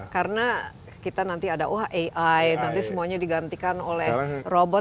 karena kita nanti ada wah ai nanti semuanya digantikan oleh robot